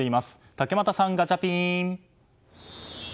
竹俣さん、ガチャピン。